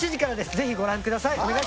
ぜひご覧ください。